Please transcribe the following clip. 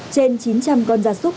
trên chín trăm linh con gia súc